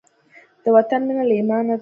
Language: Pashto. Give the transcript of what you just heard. د وطن مینه له ایمانه ده.